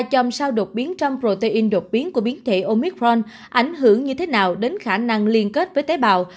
trong sau đột biến trong protein đột biến của biến thể omicron ảnh hưởng như thế nào đến khả năng liên kết với tế bào